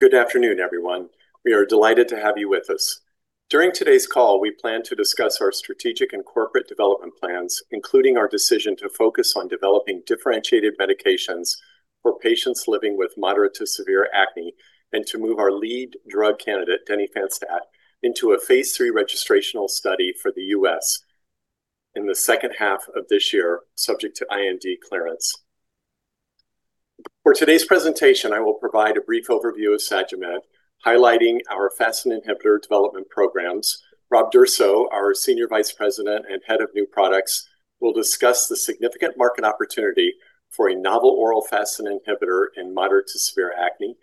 Good afternoon, everyone. We are delighted to have you with us. During today's call, we plan to discuss our strategic and corporate development plans, including our decision to focus on developing differentiated medications for patients living with moderate to severe acne, and to move our lead drug candidate, denifanstat, into a phase III registrational study for the U.S. in the second half of this year, subject to IND clearance. For today's presentation, I will provide a brief overview of Sagimet, highlighting our FASN inhibitor development programs. Robert D'Urso, our Senior Vice President and head of new products, will discuss the significant market opportunity for a novel oral FASN inhibitor in moderate to severe acne.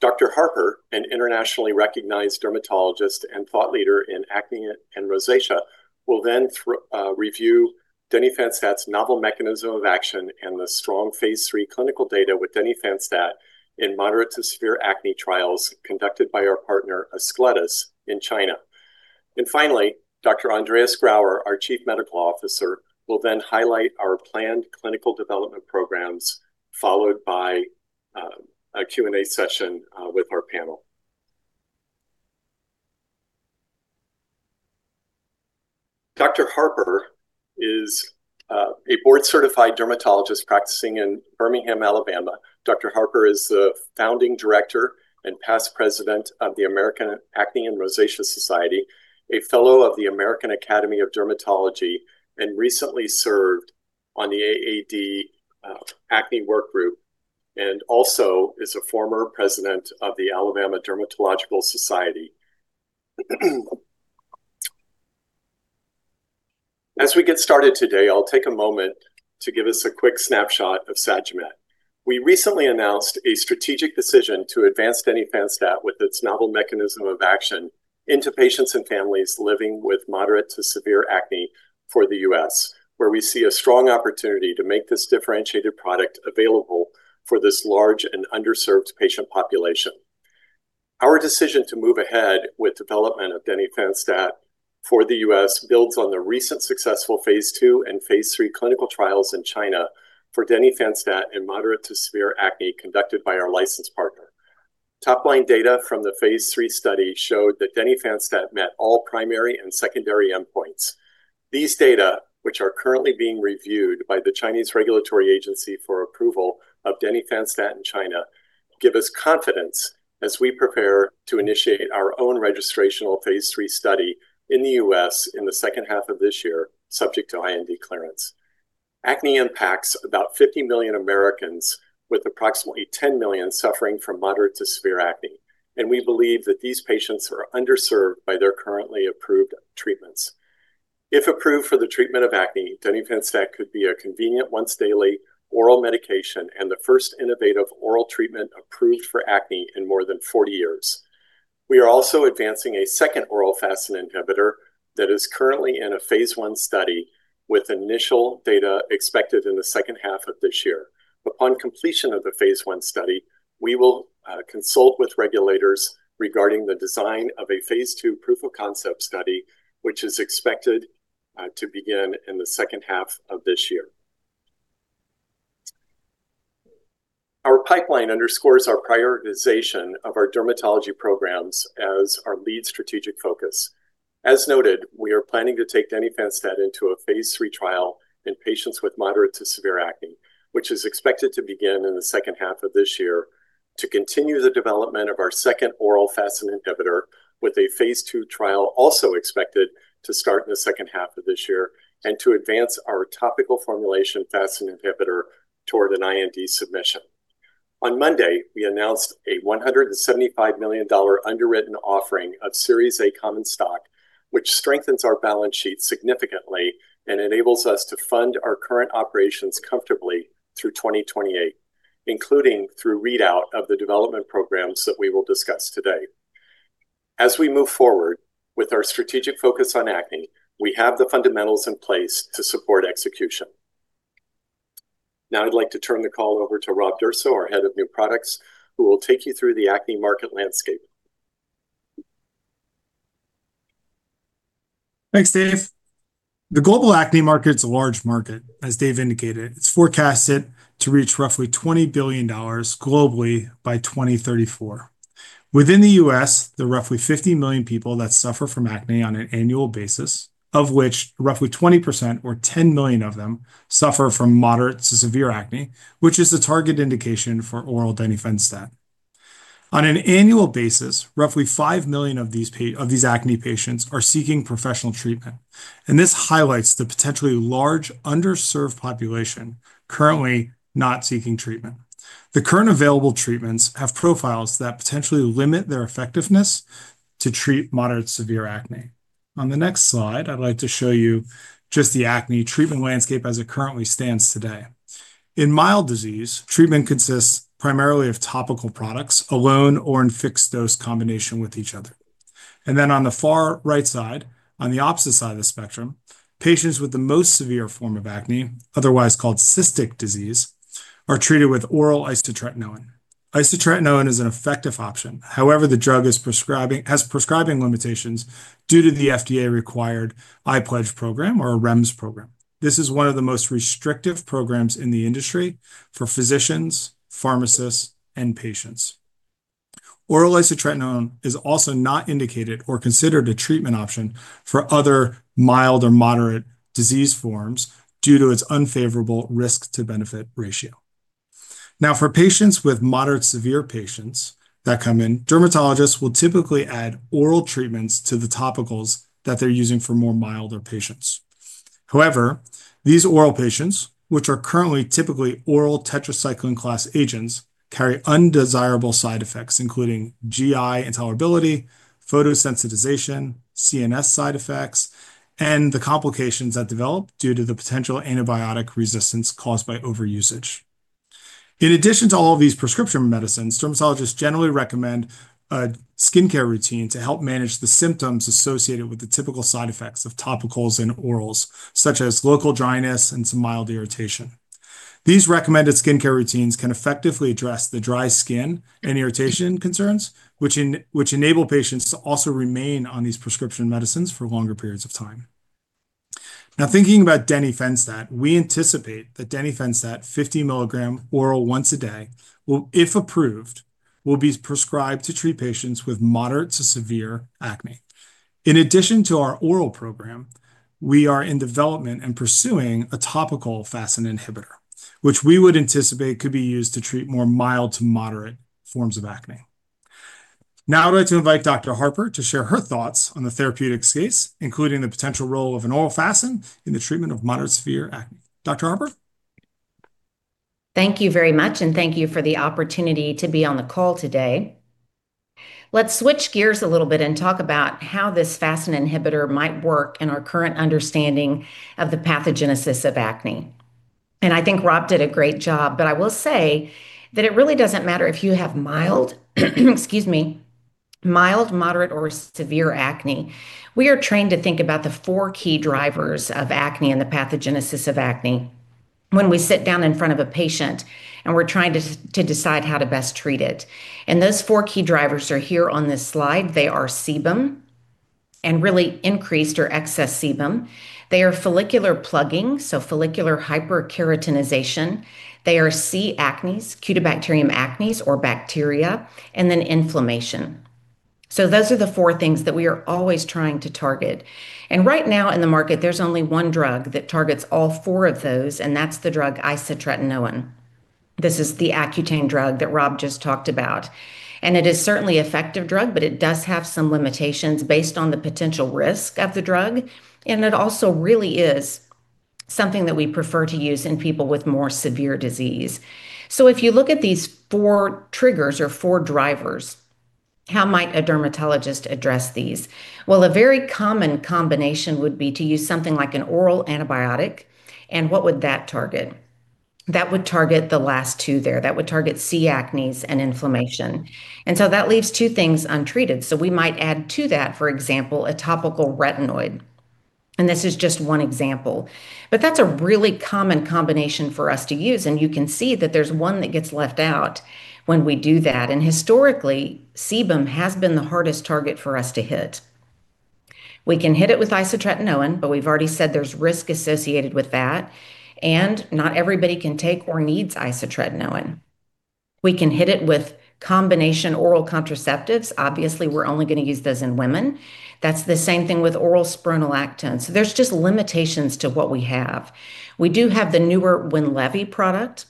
Julie Harper, an internationally recognized dermatologist and thought leader in acne and rosacea, will then review denifanstat's novel mechanism of action and the strong phase III clinical data with denifanstat in moderate to severe acne trials conducted by our partner, Ascletis, in China. Finally, Dr. Andreas Grauer, our Chief Medical Officer, will then highlight our planned clinical development programs, followed by a Q&A session with our panel. Julie Harper is a board-certified dermatologist practicing in Birmingham, Alabama. Julie Harper is the founding director and past president of the American Acne and Rosacea Society, a fellow of the American Academy of Dermatology, recently served on the AAD acne work group, and also is a former president of the Alabama Dermatology Society. As we get started today, I'll take a moment to give us a quick snapshot of Sagimet. We recently announced a strategic decision to advance denifanstat with its novel mechanism of action into patients and families living with moderate to severe acne for the U.S., where we see a strong opportunity to make this differentiated product available for this large and underserved patient population. Our decision to move ahead with development of denifanstat for the U.S. builds on the recent successful phase II and phase III clinical trials in China for denifanstat in moderate to severe acne conducted by our license partner. Top-line data from the phase III study showed that denifanstat met all primary and secondary endpoints. These data, which are currently being reviewed by the Chinese regulatory agency for approval of denifanstat in China, give us confidence as we prepare to initiate our own registrational phase III study in the U.S. in the second half of this year, subject to IND clearance. Acne impacts about 50 million Americans, with approximately 10 million suffering from moderate to severe acne, and we believe that these patients are underserved by their currently approved treatments. If approved for the treatment of acne, denifanstat could be a convenient once daily oral medication and the first innovative oral treatment approved for acne in more than 40 years. We are also advancing a second oral FASN inhibitor that is currently in a phase I study with initial data expected in the second half of this year. Upon completion of the phase I study, we will consult with regulators regarding the design of a phase II proof of concept study, which is expected to begin in the second half of this year. Our pipeline underscores our prioritization of our dermatology programs as our lead strategic focus. As noted, we are planning to take denifanstat into a phase III trial in patients with moderate to severe acne, which is expected to begin in the second half of this year, to continue the development of our second oral FASN inhibitor with a phase II trial also expected to start in the second half of this year, and to advance our topical formulation FASN inhibitor toward an IND submission. On Monday, we announced a $175 million underwritten offering of Series A common stock, which strengthens our balance sheet significantly and enables us to fund our current operations comfortably through 2028, including through readout of the development programs that we will discuss today. As we move forward with our strategic focus on acne, we have the fundamentals in place to support execution. Now I'd like to turn the call over to Robert D'Urso, our head of new products, who will take you through the acne market landscape. Thanks, Dave. The global acne market's a large market, as Dave indicated. It's forecasted to reach roughly $20 billion globally by 2034. Within the U.S., there are roughly 50 million people that suffer from acne on an annual basis, of which roughly 20% or 10 million of them suffer from moderate to severe acne, which is the target indication for oral denifanstat. On an annual basis, roughly 5 million of these of these acne patients are seeking professional treatment, and this highlights the potentially large underserved population currently not seeking treatment. The current available treatments have profiles that potentially limit their effectiveness to treat moderate to severe acne. On the next slide, I'd like to show you just the acne treatment landscape as it currently stands today. In mild disease, treatment consists primarily of topical products alone or in fixed dose combination with each other. On the far right side, on the opposite side of the spectrum, patients with the most severe form of acne, otherwise called cystic disease, are treated with oral isotretinoin. Isotretinoin is an effective option. The drug has prescribing limitations due to the FDA required iPLEDGE program or REMS program. This is 1 of the most restrictive programs in the industry for physicians, pharmacists, and patients. Oral isotretinoin is also not indicated or considered a treatment option for other mild or moderate disease forms due to its unfavorable risk to benefit ratio. For patients with moderate severe patients that come in, dermatologists will typically add oral treatments to the topicals that they're using for more milder patients. However, these oral patients, which are currently typically oral tetracycline class agents, carry undesirable side effects, including GI intolerability, photosensitization, CNS side effects, and the complications that develop due to the potential antibiotic resistance caused by overusage. In addition to all of these prescription medicines, dermatologists generally recommend a skincare routine to help manage the symptoms associated with the typical side effects of topicals and orals, such as local dryness and some mild irritation. These recommended skincare routines can effectively address the dry skin and irritation concerns, which enable patients to also remain on these prescription medicines for longer periods of time. Now, thinking about denifanstat, we anticipate that denifanstat 50 milligram oral once a day will, if approved, be prescribed to treat patients with moderate to severe acne. In addition to our oral program, we are in development and pursuing a topical FASN inhibitor, which we would anticipate could be used to treat more mild to moderate forms of acne. I'd like to invite Julie Harper to share her thoughts on the therapeutic space, including the potential role of an oral FASN inhibitor in the treatment of moderate severe acne. Julie Harper? Thank you very much. Thank you for the opportunity to be on the call today. Let's switch gears a little bit and talk about how this FASN inhibitor might work in our current understanding of the pathogenesis of acne. I think Rob did a great job, but I will say that it really doesn't matter if you have mild, excuse me, mild, moderate, or severe acne. We are trained to think about the 4 key drivers of acne and the pathogenesis of acne when we sit down in front of a patient and we're trying to decide how to best treat it. Those 4 key drivers are here on this slide. They are sebum, and really increased or excess sebum. They are follicular plugging, so follicular hyperkeratinization. They are C. acnes, Cutibacterium acnes or bacteria, and then inflammation. Those are the four things that we are always trying to target. Right now in the market, there's only one drug that targets all four of those, and that's the drug isotretinoin. This is the Accutane drug that Rob just talked about. It is certainly effective drug, but it does have some limitations based on the potential risk of the drug. It also really is something that we prefer to use in people with more severe disease. If you look at these four triggers or four drivers, how might a dermatologist address these? Well, a very common combination would be to use something like an oral antibiotic. What would that target? That would target the last two there. That would target C acnes and inflammation. That leaves two things untreated. We might add to that, for example, a topical retinoid. This is just one example. That's a really common combination for us to use, and you can see that there's one that gets left out when we do that. Historically, sebum has been the hardest target for us to hit. We can hit it with isotretinoin, but we've already said there's risk associated with that, and not everybody can take or needs isotretinoin. We can hit it with combination oral contraceptives. Obviously, we're only gonna use those in women. That's the same thing with oral spironolactone. There's just limitations to what we have. We do have the newer Winlevi product.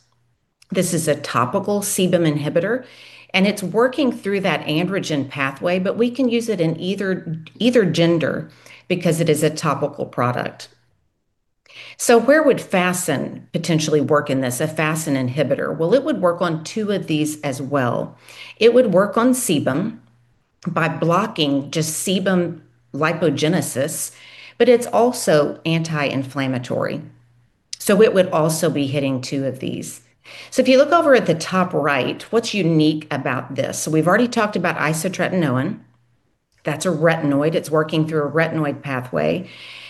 This is a topical sebum inhibitor, and it's working through that androgen pathway, but we can use it in either gender because it is a topical product. Where would FASN potentially work in this, a FASN inhibitor? It would work on 2 of these as well. It would work on sebum by blocking just sebum lipogenesis, but it's also anti-inflammatory. It would also be hitting 2 of these. If you look over at the top right, what's unique about this? We've already talked about isotretinoin. That's a retinoid. It's working through a retinoid pathway.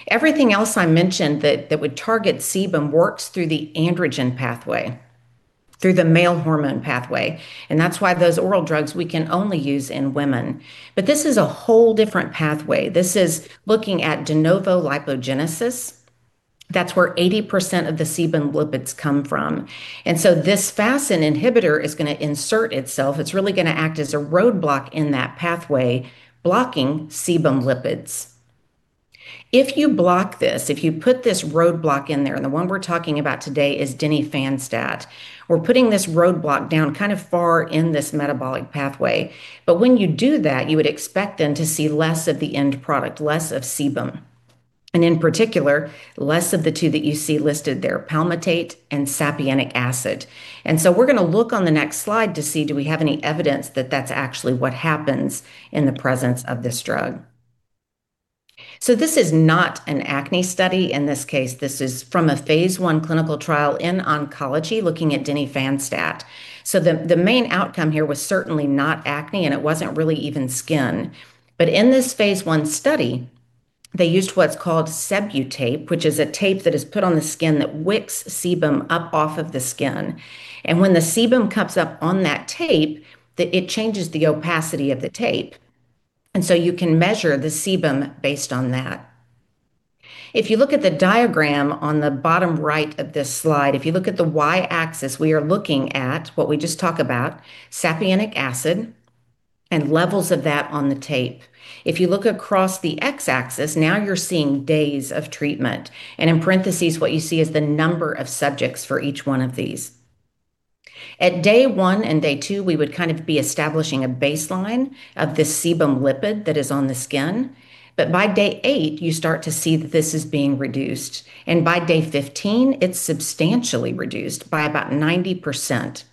Everything else I mentioned that would target sebum works through the androgen pathway, through the male hormone pathway, and that's why those oral drugs we can only use in women. This is a whole different pathway. This is looking at de novo lipogenesis. That's where 80% of the sebum lipids come from. This FASN inhibitor is gonna insert itself. It's really gonna act as a roadblock in that pathway, blocking sebum lipids. If you block this, if you put this roadblock in there, and the one we're talking about today is denifanstat, we're putting this roadblock down kind of far in this metabolic pathway. When you do that, you would expect then to see less of the end product, less of sebum, and in particular, less of the two that you see listed there, palmitate and sapienic acid. We're gonna look on the next slide to see, do we have any evidence that that's actually what happens in the presence of this drug. This is not an acne study. In this case, this is from a phase I clinical trial in oncology looking at denifanstat. The main outcome here was certainly not acne, and it wasn't really even skin. In this phase I study, they used what's called SebuTape, which is a tape that is put on the skin that wicks sebum up off of the skin. When the sebum comes up on that tape, it changes the opacity of the tape. You can measure the sebum based on that. If you look at the diagram on the bottom right of this slide, if you look at the Y-axis, we are looking at what we just talked about, sapienic acid and levels of that on the tape. If you look across the X-axis, now you're seeing days of treatment, and in parentheses what you see is the number of subjects for each one of these. At day 1 and day 2, we would kind of be establishing a baseline of the sebum lipid that is on the skin. By day eight, you start to see that this is being reduced, and by day 15, it's substantially reduced by about 90%.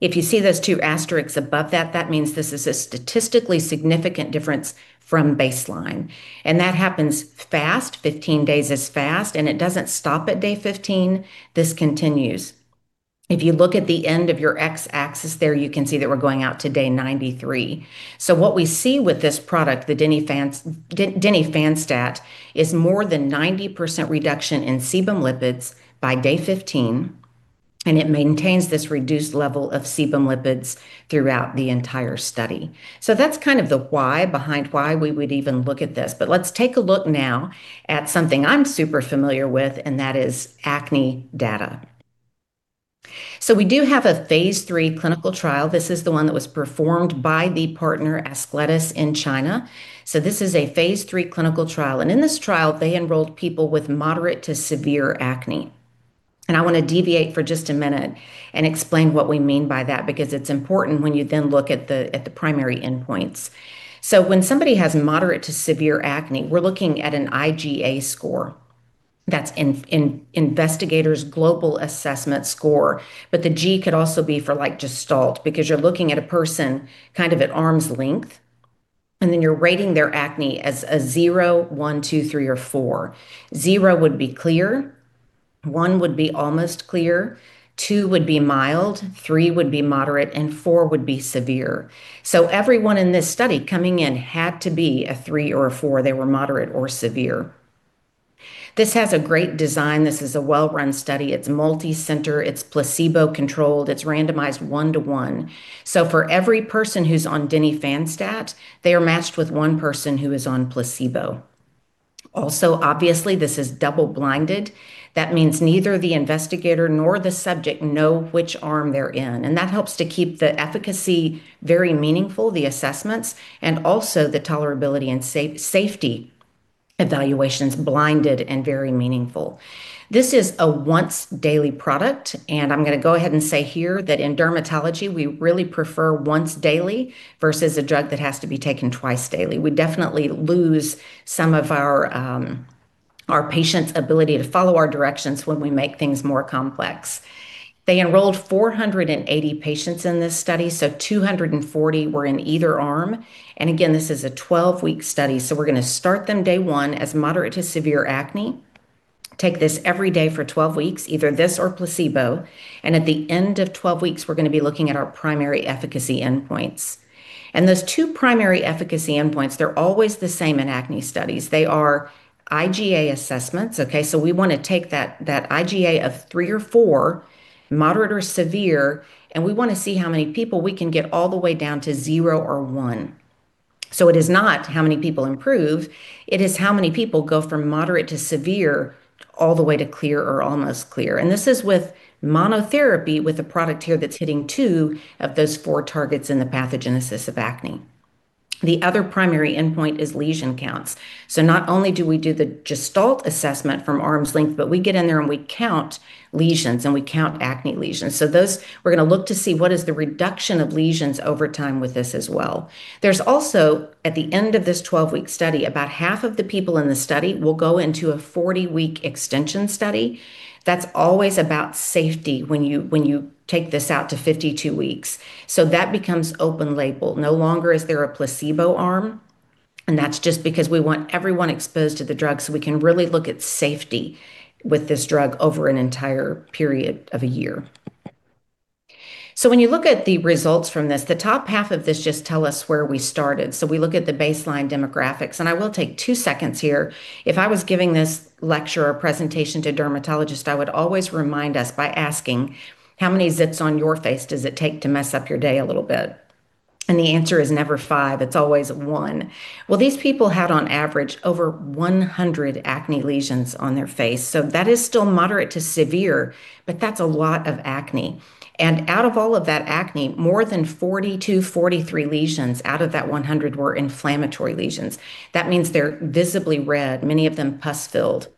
If you see those two asterisks above that means this is a statistically significant difference from baseline, and that happens fast. 15 days is fast, and it doesn't stop at day 15. This continues. If you look at the end of your X-axis there, you can see that we're going out to day 93. What we see with this product, the denifanstat is more than 90% reduction in sebum lipids by day 15, and it maintains this reduced level of sebum lipids throughout the entire study. That's kind of the why behind why we would even look at this. Let's take a look now at something I'm super familiar with, and that is acne data. We do have a phase III clinical trial. This is the one that was performed by the partner Ascletis in China. This is a phase III clinical trial, and in this trial, they enrolled people with moderate to severe acne. I want to deviate for just a minute and explain what we mean by that because it is important when you then look at the primary endpoints. When somebody has moderate to severe acne, we are looking at an IGA score. That is Investigators Global Assessment score. The G could also be for like gestalt because you are looking at a person kind of at arm's length, and then you are rating their acne as a zero, one, two, three, or four point zero would be clear, one would be almost clear, two would be mild, three would be moderate, and four would be severe. Everyone in this study coming in had to be a three or a four. They were moderate or severe. This has a great design. This is a well-run study. It's multi-center. It's placebo-controlled. It's randomized one-to-one. For every person who's on denifanstat, they are matched with 1 person who is on placebo. Also, obviously, this is double-blinded. That means neither the investigator nor the subject know which arm they're in, and that helps to keep the efficacy very meaningful, the assessments, and also the tolerability and safety evaluations blinded and very meaningful. This is a once daily product, and I'm gonna go ahead and say here that in dermatology, we really prefer once daily versus a drug that has to be taken twice daily. We definitely lose some of our patients' ability to follow our directions when we make things more complex. They enrolled 480 patients in this study. 240 were in either arm. Again, this is a 12-week study. We're gonna start them day one as moderate to severe acne. Take this every day for 12 weeks, either this or placebo. At the end of 12 weeks, we're gonna be looking at our primary efficacy endpoints. Those two primary efficacy endpoints, they're always the same in acne studies. They are IGA assessments. We wanna take that IGA of three or four, moderate or severe, and we wanna see how many people we can get all the way down to zero or one. It is not how many people improve, it is how many people go from moderate to severe all the way to clear or almost clear. This is with monotherapy with a product here that's hitting two of those four targets in the pathogenesis of acne. The other primary endpoint is lesion counts. Not only do we do the gestalt assessment from arm's length, but we get in there and we count lesions, and we count acne lesions. Those, we're gonna look to see what is the reduction of lesions over time with this as well. There's also, at the end of this 12-week study, about half of the people in the study will go into a 40-week extension study. That's always about safety when you take this out to 52 weeks. That becomes open label. No longer is there a placebo arm. That's just because we want everyone exposed to the drug. We can really look at safety with this drug over an entire period of a year. When you look at the results from this, the top half of this just tell us where we started. We look at the baseline demographics. I will take two seconds here. If I was giving this lecture or presentation to dermatologists, I would always remind us by asking, "How many zits on your face does it take to mess up your day a little bit?" The answer is never five. It's always one. Well, these people had on average over 100 acne lesions on their face. That is still moderate to severe. That's a lot of acne. Out of all of that acne, more than 40-43 lesions out of that 100 were inflammatory lesions. That means they're visibly red, many of them pus-filled.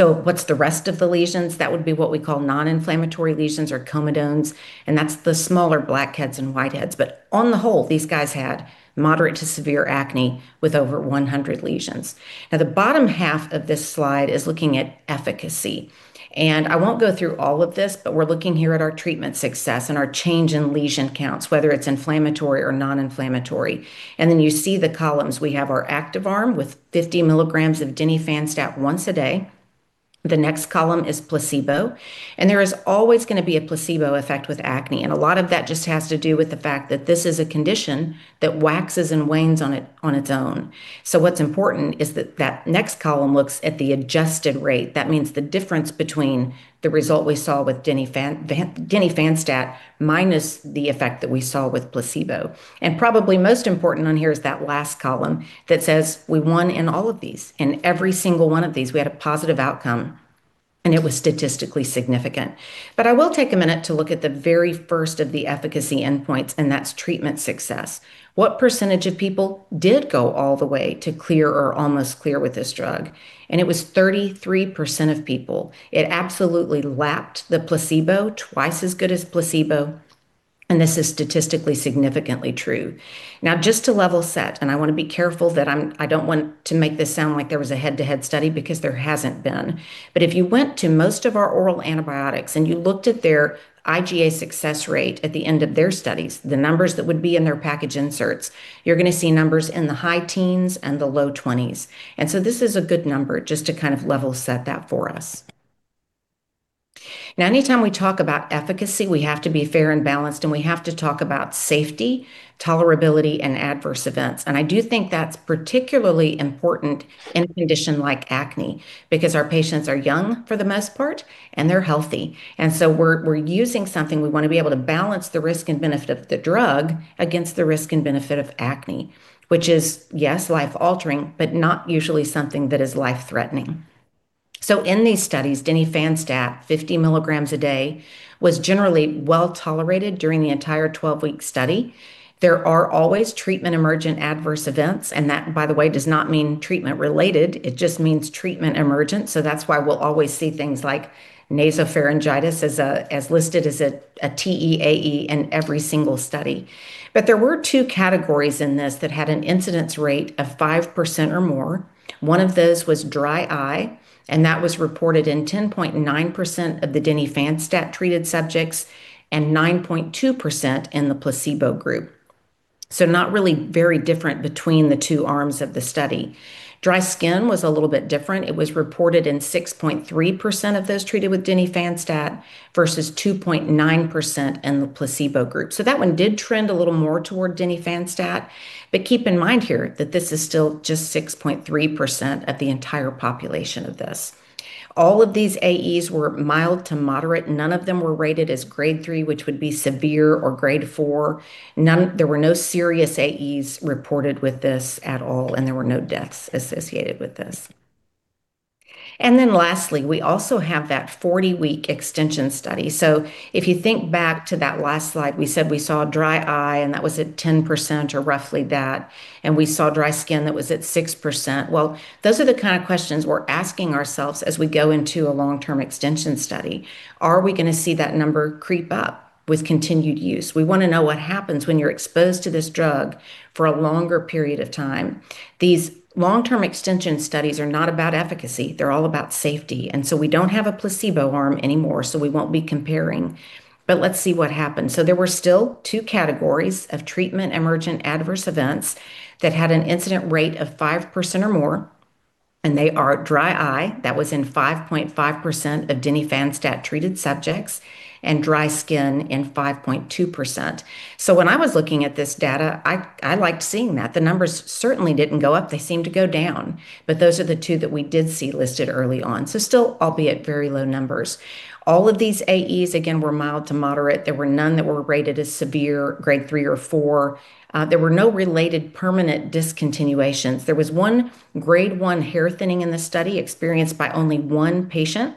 What's the rest of the lesions? That would be what we call non-inflammatory lesions or comedones, and that's the smaller blackheads and whiteheads. On the whole, these guys had moderate to severe acne with over 100 lesions. The bottom half of this slide is looking at efficacy. I won't go through all of this, but we're looking here at our treatment success and our change in lesion counts, whether it's inflammatory or non-inflammatory. You see the columns. We have our active arm with 50 milligrams of denifanstat once a day. The next column is placebo, and there is always gonna be a placebo effect with acne. A lot of that just has to do with the fact that this is a condition that waxes and wanes on its own. What's important is that that next column looks at the adjusted rate. That means the difference between the result we saw with denifanstat minus the effect that we saw with placebo. Probably most important on here is that last column that says we won in all of these. In every single one of these, we had a positive outcome, and it was statistically significant. I will take a minute to look at the very first of the efficacy endpoints, and that's treatment success. What % of people did go all the way to clear or almost clear with this drug? It was 33% of people. It absolutely lapped the placebo, twice as good as placebo, and this is statistically significantly true. Now, just to level set, and I wanna be careful that I don't want to make this sound like there was a head-to-head study because there hasn't been. If you went to most of our oral antibiotics and you looked at their IGA success rate at the end of their studies, the numbers that would be in their package inserts, you're gonna see numbers in the high teens and the low twenties. This is a good number just to kind of level set that for us. Now, anytime we talk about efficacy, we have to be fair and balanced, and we have to talk about safety, tolerability, and adverse events. I do think that's particularly important in a condition like acne because our patients are young for the most part, and they're healthy. We're using something, we wanna be able to balance the risk and benefit of the drug against the risk and benefit of acne, which is, yes, life-altering, but not usually something that is life-threatening. In these studies, denifanstat, 50 mg a day, was generally well-tolerated during the entire 12-week study. There are always treatment emergent adverse events, and that, by the way, does not mean treatment-related. It just means treatment emergent. That's why we'll always see things like nasopharyngitis as listed as a TEAE in every single study. There were two categories in this that had an incidence rate of 5% or more. One of those was dry eye, and that was reported in 10.9% of the denifanstat-treated subjects and 9.2% in the placebo group. Not really very different between the two arms of the study. Dry skin was a little bit different. It was reported in 6.3% of those treated with denifanstat versus 2.9% in the placebo group. That one did trend a little more toward denifanstat. Keep in mind here that this is still just 6.3% of the entire population of this. All of these AEs were mild to moderate. None of them were rated as grade three, which would be severe, or grade four. There were no serious AEs reported with this at all, and there were no deaths associated with this. Lastly, we also have that 40-week extension study. If you think back to that last slide, we said we saw dry eye, and that was at 10% or roughly that, and we saw dry skin that was at 6%. Those are the kind of questions we're asking ourselves as we go into a long-term extension study. Are we gonna see that number creep up with continued use? We wanna know what happens when you're exposed to this drug for a longer period of time. These long-term extension studies are not about efficacy. They're all about safety. We don't have a placebo arm anymore, so we won't be comparing. Let's see what happens. There were still two categories of treatment emergent adverse events that had an incident rate of 5% or more, and they are dry eye, that was in 5.5% of denifanstat-treated subjects, and dry skin in 5.2%. When I was looking at this data, I liked seeing that. The numbers certainly didn't go up. They seemed to go down. Those are the two that we did see listed early on. Still, albeit very low numbers. All of these AEs, again, were mild to moderate. There were none that were rated as severe, grade three or four. There were no related permanent discontinuations. There was one grade 1 hair thinning in the study experienced by only one patient,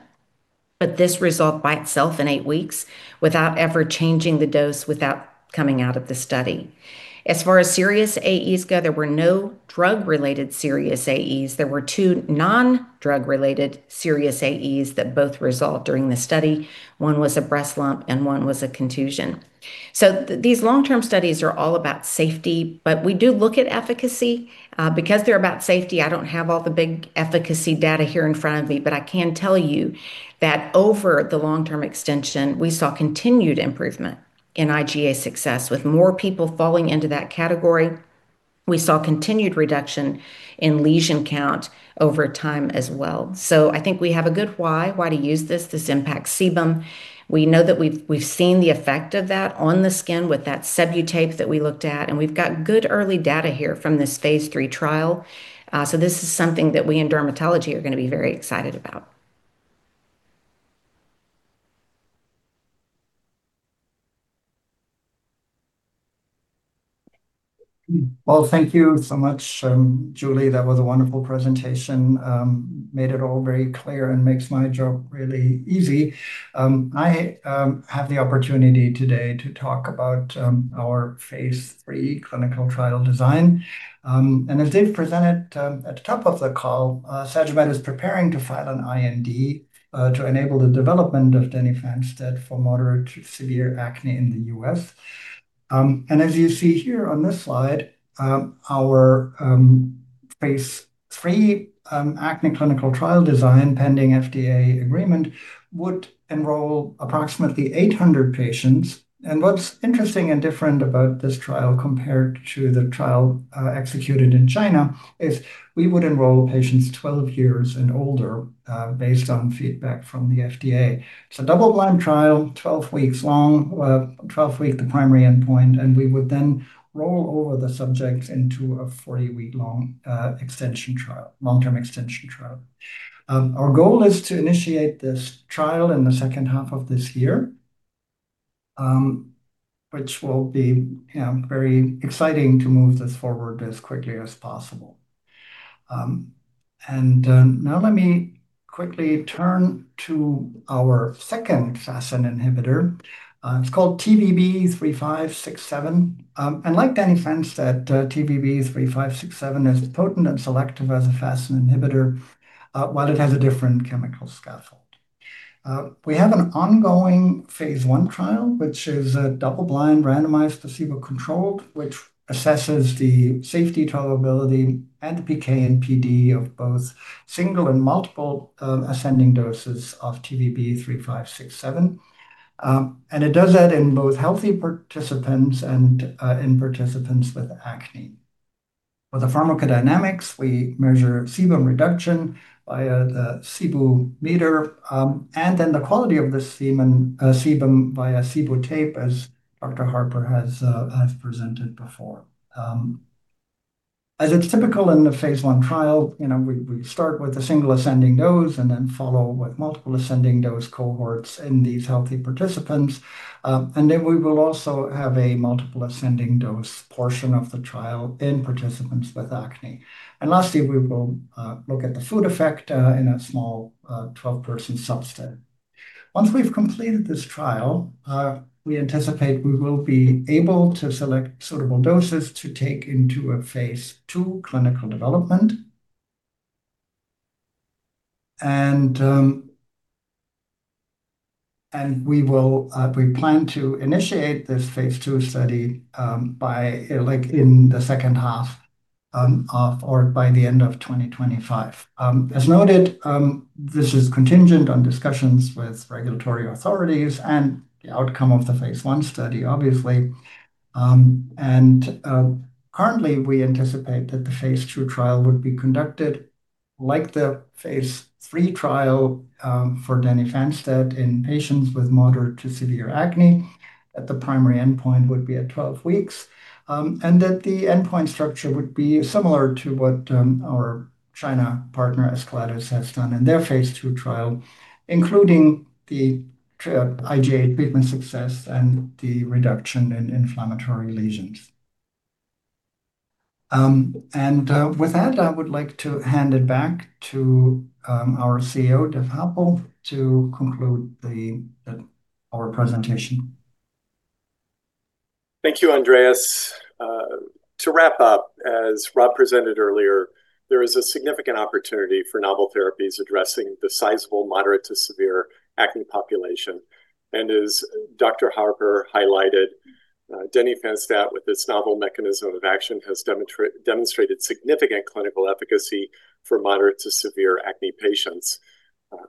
but this resolved by itself in eight weeks without ever changing the dose, without coming out of the study. As far as serious AEs go, there were no drug-related serious AEs. There were two non-drug related serious AEs that both resolved during the study. One was a breast lump, and one was a contusion. These long-term studies are all about safety, but we do look at efficacy. Because they're about safety, I don't have all the big efficacy data here in front of me, but I can tell you that over the long-term extension, we saw continued improvement in IGA success with more people falling into that category. We saw continued reduction in lesion count over time as well. I think we have a good why to use this. This impacts sebum. We know that we've seen the effect of that on the skin with that SebuTape that we looked at, and we've got good early data here from this phase III trial. This is something that we in dermatology are gonna be very excited about. Well, thank you so much, Dr. Harper. That was a wonderful presentation. Made it all very clear and makes my job really easy. I have the opportunity today to talk about our phase III clinical trial design. As Dave Happel presented at the top of the call, Sagimet is preparing to file an IND to enable the development of denifanstat for moderate to severe acne in the U.S. As you see here on this slide, our phase III acne clinical trial design, pending FDA agreement, would enroll approximately 800 patients. What's interesting and different about this trial compared to the trial executed in China is we would enroll patients 12 years and older based on feedback from the FDA. It's a double-blind trial, 12 weeks long, 12-week the primary endpoint. We would then roll over the subjects into a 40-week-long extension trial, long-term extension trial. Our goal is to initiate this trial in the second half of this year, which will be, you know, very exciting to move this forward as quickly as possible. Now let me quickly turn to our second FASN inhibitor. It's called TVB-3567. Like denifanstat, TVB-3567 is as potent and selective as a FASN inhibitor, while it has a different chemical scaffold. We have an ongoing phase I trial, which is a double-blind, randomized, placebo-controlled, which assesses the safety tolerability and PK and PD of both single and multiple ascending doses of TVB-3567. It does that in both healthy participants and in participants with acne. For the pharmacodynamics, we measure sebum reduction via the Sebumeter, and then the quality of the sebum via SebuTape, as Dr. Harper has presented before. As is typical in the phase I trial, you know, we start with a single ascending dose and then follow with multiple ascending dose cohorts in these healthy participants. Then we will also have a multiple ascending dose portion of the trial in participants with acne. Lastly, we will look at the food effect in a small, 12-person subset. Once we've completed this trial, we anticipate we will be able to select suitable doses to take into a phase II clinical development. We will, we plan to initiate this phase II study by like in the second half of or by the end of 2025. As noted, this is contingent on discussions with regulatory authorities and the outcome of the phase I study, obviously. Currently, we anticipate that the phase II trial would be conducted like the phase III trial for denifanstat in patients with moderate to severe acne, that the primary endpoint would be at 12 weeks, and that the endpoint structure would be similar to what our China partner, Ascletis, has done in their phase II trial, including the IGA treatment success and the reduction in inflammatory lesions. With that, I would like to hand it back to our CEO, David Happel, to conclude the our presentation. Thank you, Andreas. To wrap up, as Rob presented earlier, there is a significant opportunity for novel therapies addressing the sizable moderate to severe acne population. As Julie Harper highlighted, denifanstat with its novel mechanism of action has demonstrated significant clinical efficacy for moderate to severe acne patients.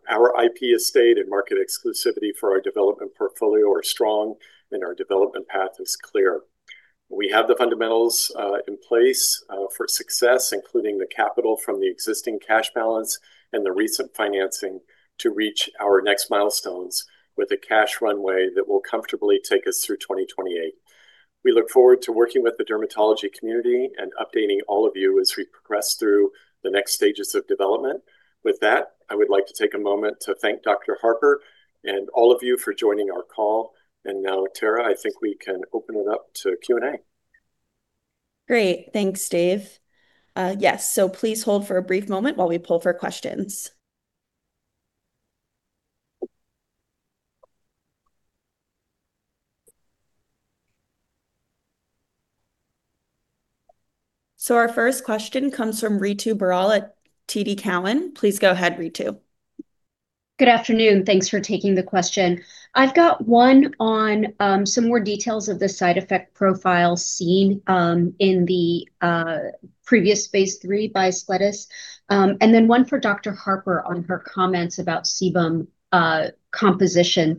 Our IP estate and market exclusivity for our development portfolio are strong, and our development path is clear. We have the fundamentals in place for success, including the capital from the existing cash balance and the recent financing to reach our next milestones with a cash runway that will comfortably take us through 2028. We look forward to working with the dermatology community and updating all of you as we progress through the next stages of development. With that, I would like to take a moment to thank Julie Harper and all of you for joining our call. Now, Tara, I think we can open it up to Q&A. Great. Thanks, Dave. Yes. Please hold for a brief moment while we poll for questions. Our first question comes from Ritu Baral at TD Cowen. Please go ahead, Ritu. Good afternoon. Thanks for taking the question. I've got one on some more details of the side effect profile seen in the previous phase III Ascletis. Then one for Julie Harper on her comments about sebum composition.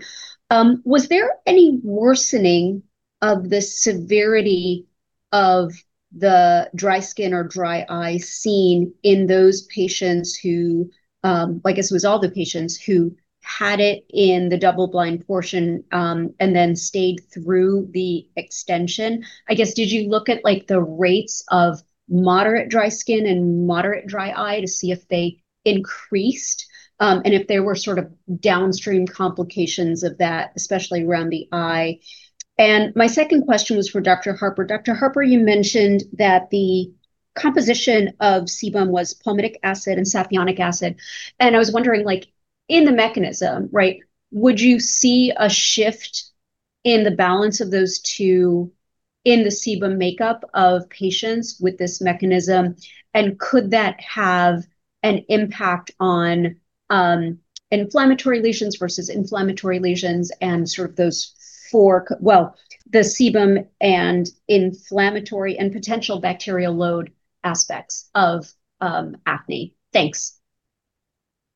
Was there any worsening of the severity of the dry skin or dry eye seen in those patients who, I guess it was all the patients, who had it in the double blind portion and then stayed through the extension? I guess, did you look at like the rates of moderate dry skin and moderate dry eye to see if they increased, and if there were sort of downstream complications of that, especially around the eye? My second question was for Julie Harper. Julie Harper, you mentioned that the composition of sebum was palmitic acid and sapienic acid. I was wondering, like, in the mechanism, right, would you see a shift in the balance of those two in the sebum makeup of patients with this mechanism? Could that have an impact on inflammatory lesions versus inflammatory lesions and sort of those four, well, the sebum and inflammatory and potential bacterial load aspects of acne. Thanks.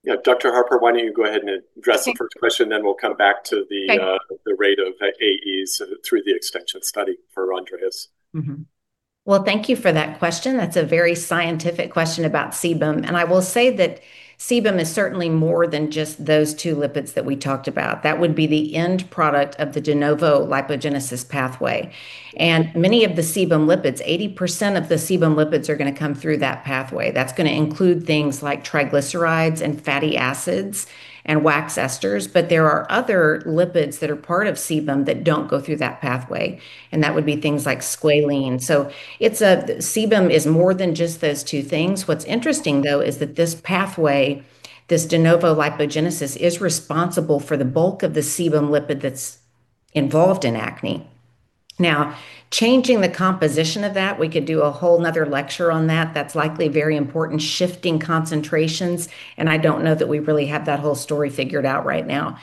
Yeah. Julie Harper, why don't you go ahead and address the first question. Sure Then we'll come back to the. Great the rate of AEs through the extension study for Andreas. Thank you for that question. That's a very scientific question about sebum. I will say that sebum is certainly more than just those two lipids that we talked about. That would be the end product of the de novo lipogenesis pathway, and many of the sebum lipids, 80% of the sebum lipids are gonna come through that pathway. That's gonna include things like triglycerides and fatty acids and wax esters. There are other lipids that are part of sebum that don't go through that pathway, and that would be things like squalene. Sebum is more than just those two things. What's interesting though is that this pathway, this de novo lipogenesis, is responsible for the bulk of the sebum lipid that's involved in acne. Now, changing the composition of that, we could do a whole another lecture on that. That's likely very important, shifting concentrations, and I don't know that we really have that whole story figured out right now.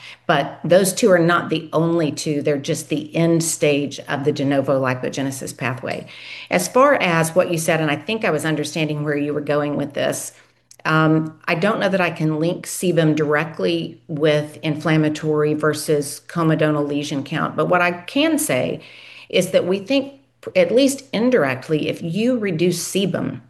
Those two are not the only two, they're just the end stage of the de novo lipogenesis pathway. As far as what you said, and I think I was understanding where you were going with this, I don't know that I can link sebum directly with inflammatory versus comedonal lesion count. What I can say is that we think, at least indirectly, if you reduce sebum,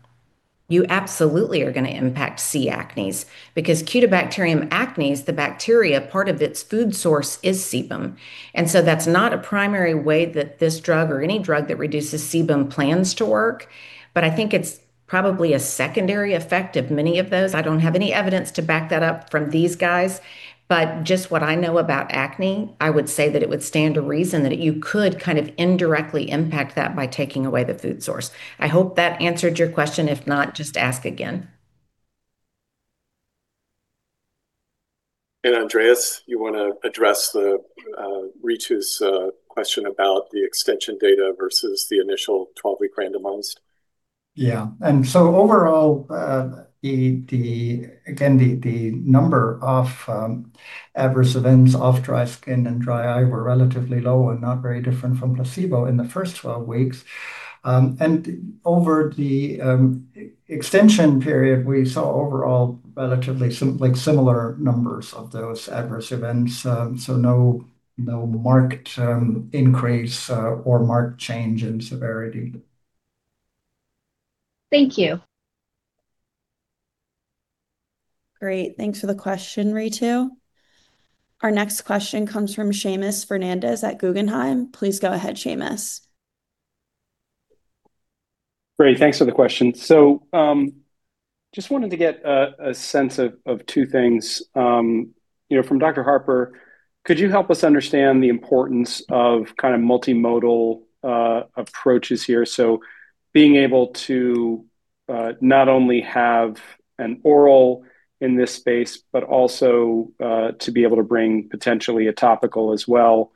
you absolutely are gonna impact C acnes because Cutibacterium acnes, the bacteria, part of its food source is sebum. That's not a primary way that this drug or any drug that reduces sebum plans to work, but I think it's probably a secondary effect of many of those. I don't have any evidence to back that up from these guys. Just what I know about acne, I would say that it would stand to reason that you could kind of indirectly impact that by taking away the food source. I hope that answered your question. If not, just ask again. Andreas, you wanna address the Ritu's question about the extension data versus the initial 12-week randomized? Yeah. Overall, the number of adverse events of dry skin and dry eye were relatively low and not very different from placebo in the first 12 weeks. Over the extension period, we saw overall relatively similar numbers of those adverse events, so no marked increase or marked change in severity. Thank you. Great. Thanks for the question, Ritu. Our next question comes from Seamus Fernandez at Guggenheim. Please go ahead, Seamus. Great. Thanks for the question. Just wanted to get a sense of two things. You know, from Julie Harper, could you help us understand the importance of kind of multimodal approaches here? Being able to not only have an oral in this space but also to be able to bring potentially a topical as well,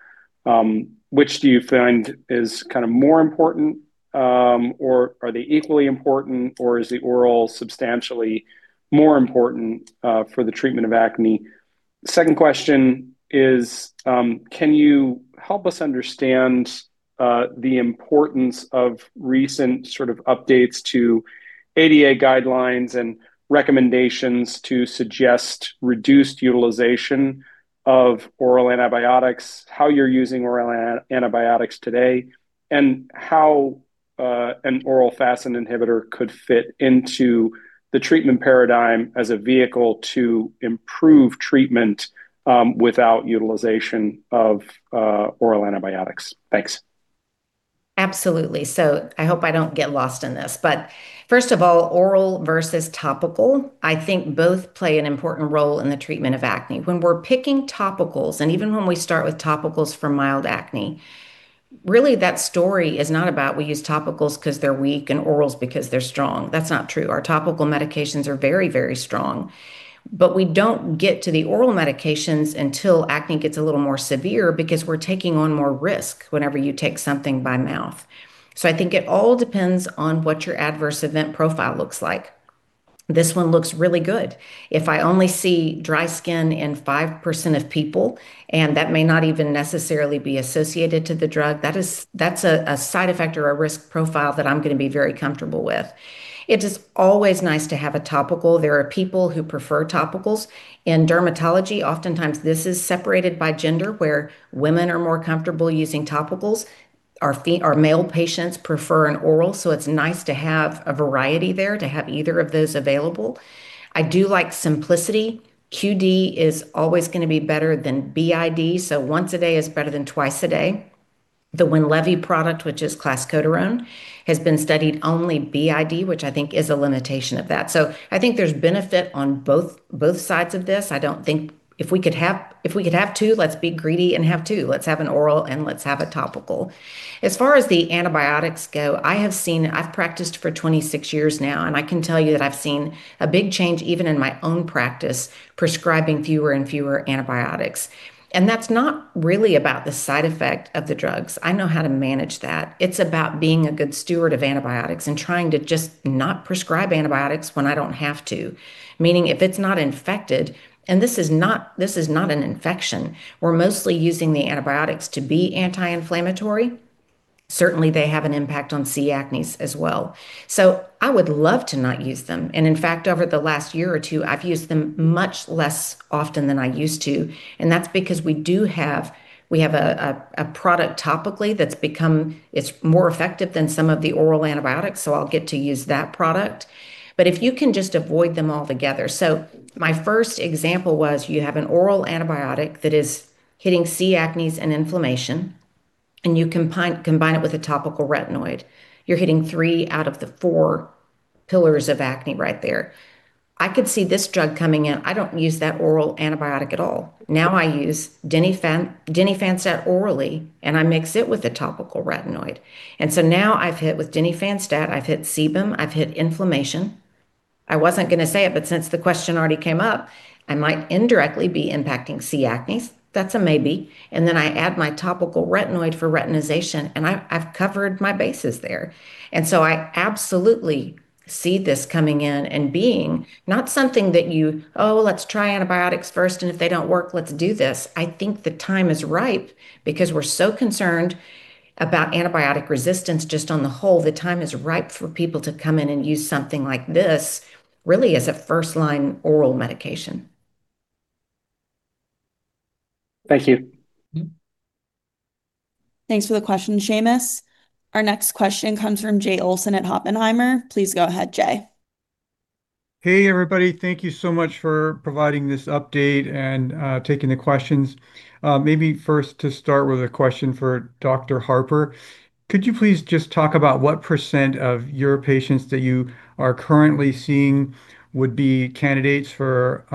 which do you find is kind of more important, or are they equally important or is the oral substantially more important for the treatment of acne? Second question is, can you help us understand the importance of recent sort of updates to AAD guidelines and recommendations to suggest reduced utilization of oral antibiotics, how you're using oral antibiotics today, and how an oral An impact on inflammatory lesions and the sebum and inflammatory and potential bacterial load aspects of acne. Thanks. can you help us understand the importance of recent sort of updates to AAD guidelines and recommendations to suggest reduced utilization of oral antibiotics, how you're using oral antibiotics today, and how an oral An impact on inflammatory lesions versus inflammatory lesions and sort of those four. Well, the sebum and inflammatory and potential bacterial load aspects of acne. Thanks. Sure Certainly they have an impact on C acnes as well. I would love to not use them, and in fact, over the last year or two I've used them much less often than I used to, and that's because we do have, we have a product topically that's become. It's more effective than some of the oral antibiotics, so I'll get to use that product. If you can just avoid them altogether. My first example was you have an oral antibiotic that is hitting C acnes and inflammation, and you combine it with a topical retinoid. You're hitting three out of the four pillars of acne right there. I could see this drug coming in. I don't use that oral antibiotic at all. Now I use denifanstat orally, and I mix it with a topical retinoid. Now I've hit. With denifanstat, I've hit sebum, I've hit inflammation. I wasn't gonna say it, but since the question already came up, I might indirectly be impacting C acnes. That's a maybe. Then I add my topical retinoid for retinization and I've covered my bases there. So I absolutely see this coming in and being not something that you, "Oh, let's try antibiotics first, and if they don't work, let's do this." I think the time is ripe because we're so concerned about antibiotic resistance just on the whole. The time is ripe for people to come in and use something like this really as a first line oral medication. Thank you. Thanks for the question, Seamus. Our next question comes from Jay Olson at Oppenheimer. Please go ahead, Jay. Hey everybody. Thank you so much for providing this update and taking the questions. Maybe first to start with a question for Julie Harper. Could you please just talk about what % of your patients that you are currently seeing would be candidates for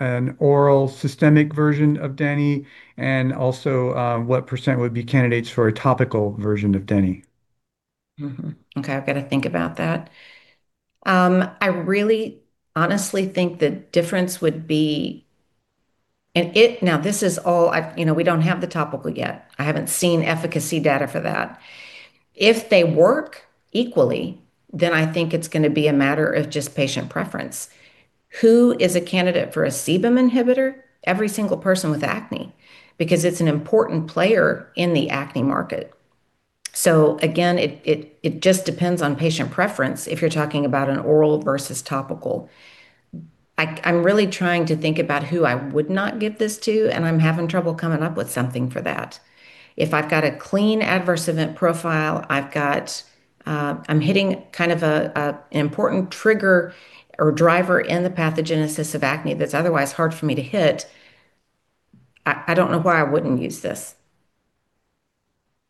an oral systemic version of denifanstat, and also, what % would be candidates for a topical version of denifanstat? Okay, I've gotta think about that. I really honestly think the difference would be. Now, this is all I've. You know, we don't have the topical yet. I haven't seen efficacy data for that. If they work equally, I think it's gonna be a matter of just patient preference. Who is a candidate for a sebum inhibitor? Every single person with acne, because it's an important player in the acne market. Again, it just depends on patient preference if you're talking about an oral versus topical. I'm really trying to think about who I would not give this to, and I'm having trouble coming up with something for that. If I've got a clean adverse event profile, I've got, I'm hitting kind of an important trigger or driver in the pathogenesis of acne that's otherwise hard for me to hit, I don't know why I wouldn't use this.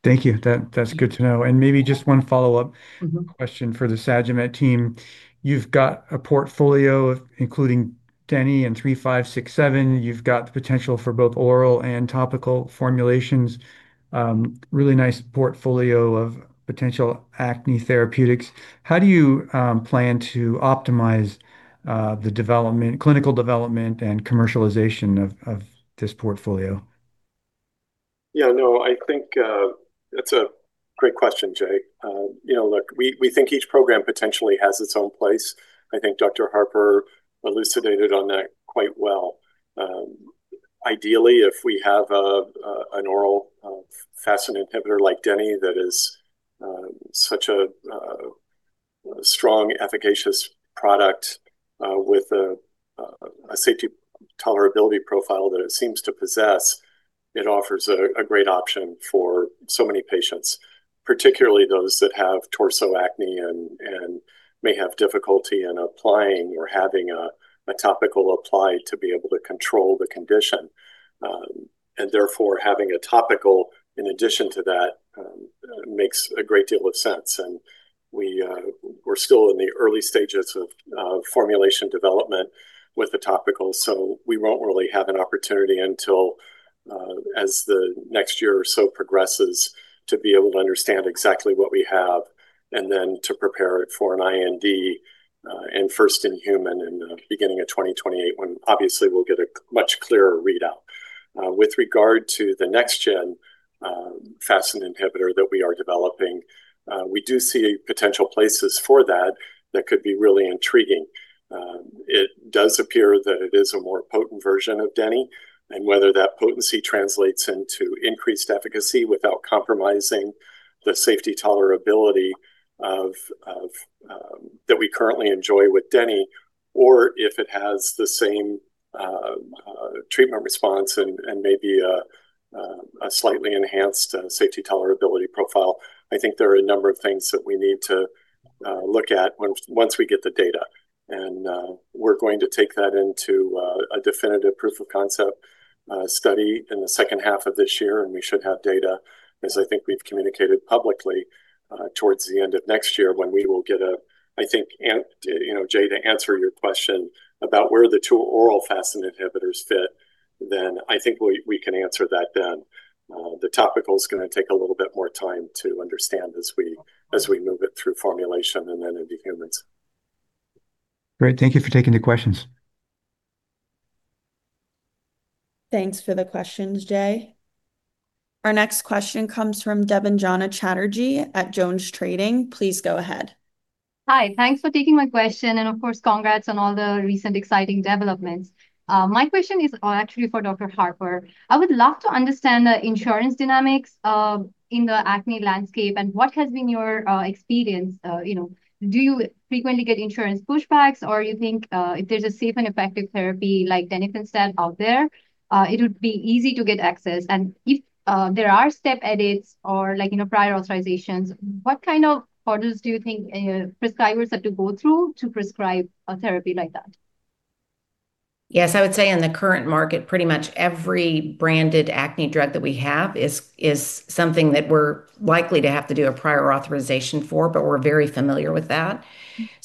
Thank you. That's good to know. Maybe just 1 follow-up. Mm-hmm... question for the Sagimet team. You've got a portfolio including Denny and 3567. You've got the potential for both oral and topical formulations. really nice portfolio of potential acne therapeutics. How do you plan to optimize the development, clinical development and commercialization of this portfolio? No. I think it's a great question, Jay. You know, look, we think each program potentially has its own place. I think Julie Harper elucidated on that quite well. Ideally, if we have an oral FASN inhibitor like DENNY that is such a strong efficacious product with a safety tolerability profile that it seems to possess, it offers a great option for so many patients, particularly those that have torso acne and may have difficulty in applying or having a topical applied to be able to control the condition. Therefore, having a topical in addition to that makes a great deal of sense. We're still in the early stages of formulation development with the topical, so we won't really have an opportunity until as the next year or so progresses to be able to understand exactly what we have, and then to prepare it for an IND, and first in human in beginning of 2028, when obviously we'll get a much clearer readout. With regard to the next gen FASN inhibitor that we are developing, we do see potential places for that that could be really intriguing. It does appear that it is a more potent version of denny, and whether that potency translates into increased efficacy without compromising the safety tolerability of, that we currently enjoy with denny, or if it has the same treatment response and maybe a slightly enhanced safety tolerability profile, I think there are a number of things that we need to look at once we get the data. We're going to take that into a definitive proof of concept study in the second half of this year, and we should have data, as I think we've communicated publicly, towards the end of next year when we will get a, I think, You know, Jay, to answer your question about where the 2 oral FASN inhibitors fit, then I think we can answer that then. The topical's gonna take a little bit more time to understand as we, as we move it through formulation and then into humans. Great. Thank you for taking the questions. Thanks for the questions, Jay. Our next question comes from Debanjana Chatterjee at Jones Trading. Please go ahead. Hi. Thanks for taking my question, and of course, congrats on all the recent exciting developments. My question is actually for Julie Harper. I would love to understand the insurance dynamics in the acne landscape and what has been your experience. You know, do you frequently get insurance pushbacks, or you think if there's a safe and effective therapy like denifanstat out there, it would be easy to get access? If there are step edits or like, you know, prior authorizations, what kind of hurdles do you think prescribers have to go through to prescribe a therapy like that? Yes, I would say in the current market, pretty much every branded acne drug that we have is something that we're likely to have to do a prior authorization for, but we're very familiar with that.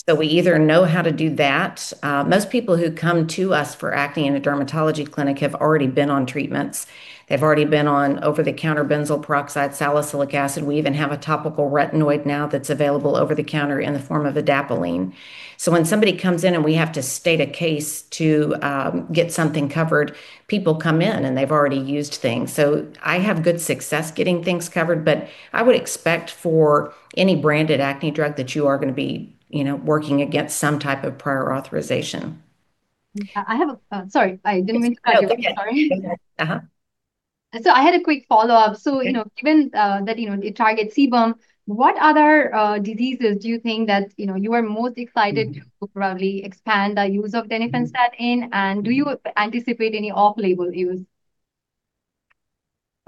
We either know how to do that. Most people who come to us for acne in a dermatology clinic have already been on treatments. They've already been on over-the-counter benzoyl peroxide, salicylic acid. We even have a topical retinoid now that's available over the counter in the form of adapalene. When somebody comes in and we have to state a case to get something covered, people come in and they've already used things. I have good success getting things covered, but I would expect for any branded acne drug that you are gonna be, you know, working against some type of prior authorization. sorry. No, you're good. Sorry. Uh-huh. I had a quick follow-up. Okay. You know, given that, you know, it targets sebum, what other diseases do you think that, you know, you are most excited to probably expand the use of denifanstat in? Do you anticipate any off-label use?